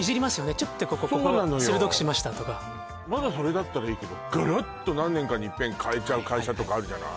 「ちゅってここ鋭くしました」とかまだそれだったらいいけどガラッと何年かにいっぺん変えちゃう会社とかあるじゃない